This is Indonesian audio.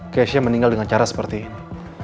keisha meninggal dengan cara seperti ini